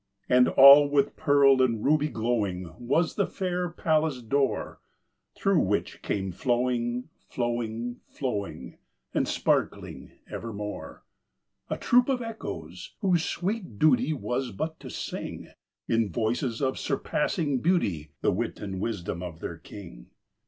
And all with pearl and ruby glowing Was the fair palace door, Through which came flowing, flowing, flowing, And sparkling evermore, A troop of Echoes, whose sweet duty Was but to sing, In voices of surpassing beauty, The wit and wisdom of their king.